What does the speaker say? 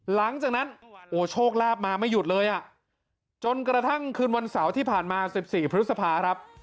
หลังจากนั้นโอ้โชคลาภมาไม่หยุดเลยอ่ะจนกระทั่งคืนวันเสาร์ที่ผ่านมา๑๔พฤษภาครับ